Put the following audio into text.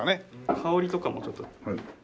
香りとかもちょっと。